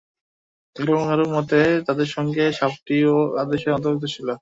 কারো কারো মতে, তাদের সঙ্গে সাপটিও এ আদেশের অন্তর্ভুক্ত ছিল।